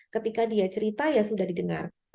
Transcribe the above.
ketika dia cerita ya sudah didengar